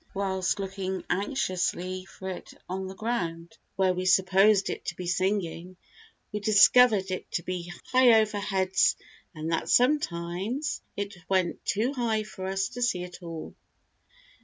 Whilst looking anxiously for it on the ground, where we supposed it to be singing, we discovered it to be high over our heads, and that sometimes it went too high for us to see at all.